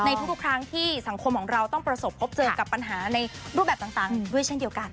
ทุกครั้งที่สังคมของเราต้องประสบพบเจอกับปัญหาในรูปแบบต่างด้วยเช่นเดียวกัน